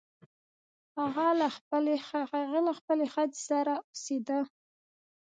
هغه له خپلې ښځې سره اوسیده.